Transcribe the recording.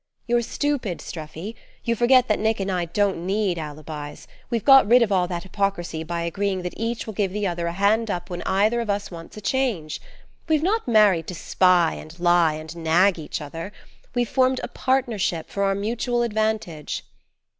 "You're stupid, Streffy. You forget that Nick and I don't need alibis. We've got rid of all that hyprocrisy by agreeing that each will give the other a hand up when either of us wants a change. We've not married to spy and lie, and nag each other; we've formed a partnership for our mutual advantage."